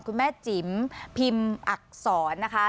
คุณแม่จิ๋มพิมพ์อักษรนะคะ